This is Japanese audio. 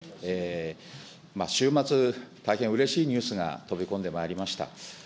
ではまず冒頭ですね、週末、大変うれしいニュースが飛び込んでまいりました。